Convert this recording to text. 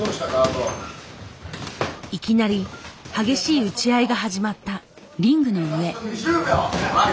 いきなり激しい打ち合いが始まった。